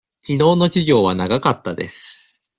きのうの授業は長かったです。